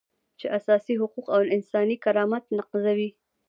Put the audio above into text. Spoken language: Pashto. چې اساسي حقوق او انساني کرامت نقضوي.